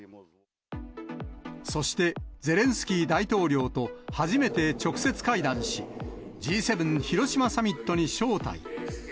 そして、ゼレンスキー大統領と初めて直接会談し、Ｇ７広島サミットに招待。